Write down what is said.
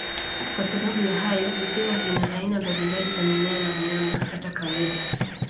Kwa sababu ya hayo, visiwa vina aina mbalimbali za mimea na wanyama, hata kawaida.